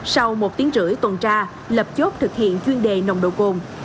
sau một tiếng rưỡi tuần tra lập chốt thực hiện chuyên đề nồng độ cồn